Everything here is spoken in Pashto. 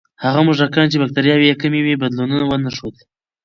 هغه موږکان چې بکتریاوې یې کمې وې، بدلون ونه ښود.